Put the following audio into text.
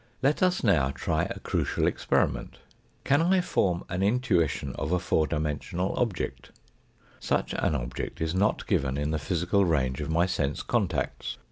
Let us now try a crucial experiment. Can I form an intuition of a four dimensional object ? Such an object is not given in the physical range of my sense contacts.